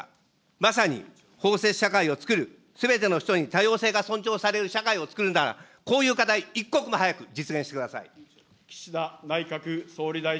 まさに包摂社会をつくるすべての人に多様性が尊重される社会をつくるんだから、こういう課題、一刻も早く実現してください。